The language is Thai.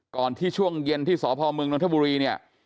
ก่อนที่ช่วงเย็นที่สพเมืองนทบุรีเนี่ย